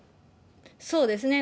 そうですね。